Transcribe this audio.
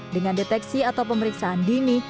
dengan deteksi atau pemeriksaan dini